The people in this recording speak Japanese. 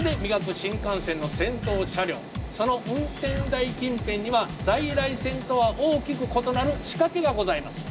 新幹線の先頭車両その運転台近辺には在来線とは大きく異なる仕掛けがございます。